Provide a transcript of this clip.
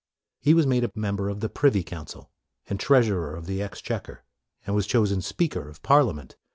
He was made a member of the Privy Council, and Treasurer of the Exchequer, and was chosen Speaker of Parliament.